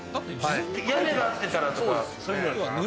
屋根が合ってたらとかそういうのじゃなく？